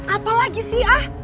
apa lagi sih ah